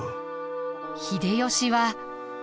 秀吉は。